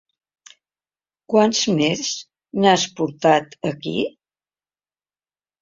Quants més n'has portat, aquí?